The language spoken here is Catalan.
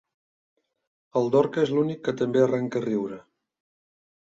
El Dorca és l'únic que també arrenca a riure.